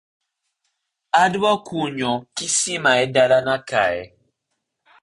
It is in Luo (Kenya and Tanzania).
Adwa kunyo kisima e dala na kae